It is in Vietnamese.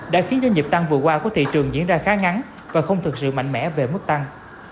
đã khiến doanh nghiệp tăng vừa qua của thị trường diễn ra khá ngắn và không thực sự mạnh mẽ về mức tăng